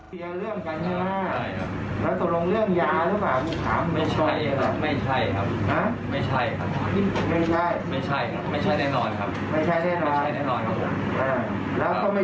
แล้วก็ไม่ใช่เรื่องของฆาตภูเวลาด้วย